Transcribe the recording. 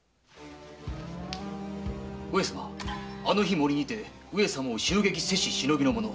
上様あの日森にて上様を襲撃せし忍びの者